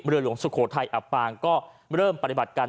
เรือหลวงสุโขทัยอับฟมงค์ก็เริ่มปริบัติกัน